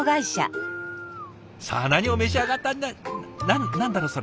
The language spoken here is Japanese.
さあ何を召し上がった何だろう？